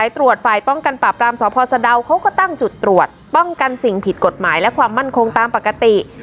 ตั้งจุดตรวจป้องกันสิ่งผิดกฎหมายและความมั่นคงตามปกติ